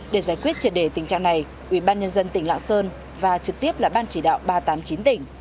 để giải quyết triệt đề tình trạng này ubnd tỉnh lạng sơn và trực tiếp là ban chỉ đạo ba trăm tám mươi chín tỉnh